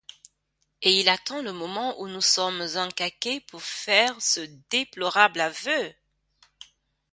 Et il attend le moment où nous sommes encaqués pour faire ce déplorable aveu!